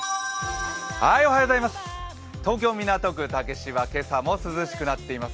東京・港区竹芝、今朝も涼しくなっています。